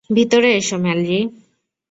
ভিতরে এসো, ম্যালরি।